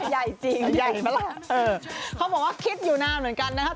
ใหญ่จริงเขาบอกว่าคิดอยู่นานเหมือนกันนะครับ